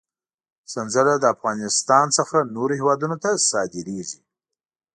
سنځله له افغانستان څخه نورو هېوادونو ته صادرېږي.